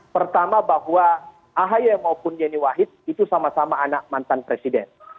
pertama bahwa ahi maupun yeni wahid itu sama sama anak mantan presiden